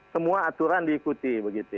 semua aturan diikuti